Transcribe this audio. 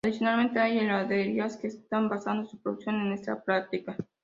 Adicionalmente hay heladerías que están basando su producción en esta práctica.